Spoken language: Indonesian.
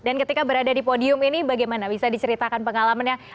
dan ketika berada di podium ini bagaimana bisa diceritakan pengalamannya